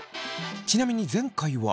ちなみに前回は。